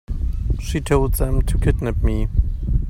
She told them to kidnap me.